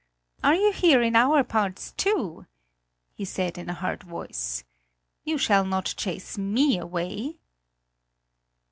"Are you here in our parts too?" he said in a hard voice. "You shall not chase me away!"